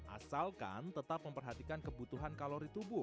asalkan tetap memperhatikan kebutuhan kalori